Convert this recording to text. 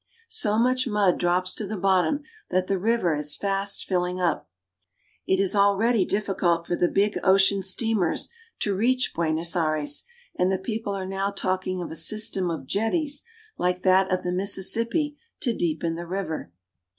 So much mud drops to the bottom that the river is fast filling up. It is already diffi cult for the big ocean steamers to reach Buenos Aires, and the people are now talking of a system of jetties like that of the Mississippi to deepen the river.